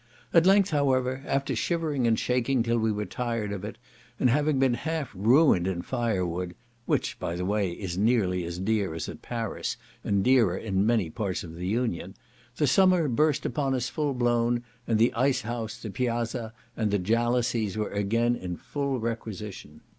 At length, however, after shivering and shaking till we were tired of it, and having been half ruined in fire wood (which, by the way, is nearly as dear as at Paris, and dearer in many parts of the Union), the summer burst upon us full blown, and the ice house, the piazza, and the jalousies were again in full requisition.